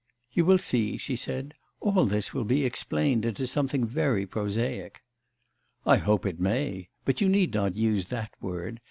'You will see,' she said, 'all this will be explained into something very prosaic.' 'I hope it may! But you need not use that word.